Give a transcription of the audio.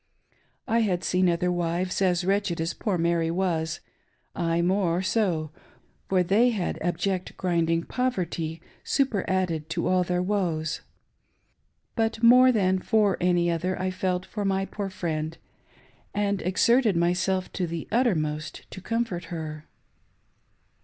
I had seen other wives as wretched as poor Mary was, — aye, more so, for they had abject, grinding poverty superadded to all their woes ;— but, more than for any other I felt for my poor friend, and exerted myself to the uttermost to com fort her.